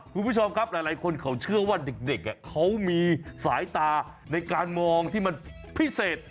คุณผู้ชมครับหลายคนเขาเชื่อว่าเด็กเขามีสายตาในการมองที่มันพิเศษ